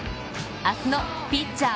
明日のピッチャー